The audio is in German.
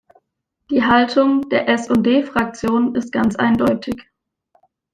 Die Haltung der S&D-Fraktion ist ganz eindeutig.